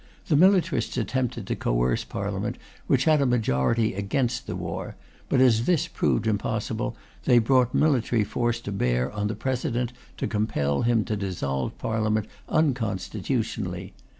The militarists attempted to coerce Parliament, which had a majority against war; but as this proved impossible, they brought military force to bear on the President to compel him to dissolve Parliament unconstitutionally.